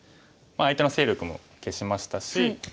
相手の勢力も消しましたし。